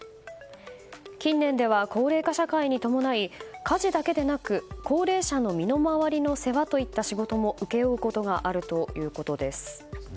近年では高齢化社会に伴い家事だけでなく、高齢者の身の回りの世話といった仕事も請け負うことがあるということです。